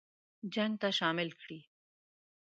جنګ ته شامل کړي.